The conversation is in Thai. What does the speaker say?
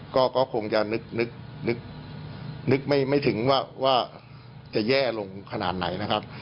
ก็คงจะนึกไม่ถึงว่าจะแย่ลงขนาดไหนนะครับ